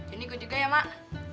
ini gue juga ya mak